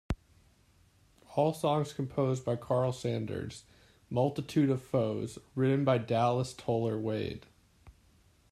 All songs composed by Karl Sanders, "Multitude of Foes", written by Dallas Toler-Wade.